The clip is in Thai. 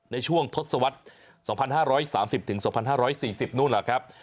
ในช่วงทศวรรษ๒๕๓๐๒๕๔๐นู่นแหละครับ